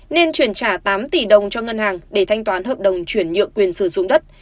nên chuyển trả tám tỷ đồng cho ngân hàng để thanh toán hợp đồng chuyển nhượng quyền sử dụng đất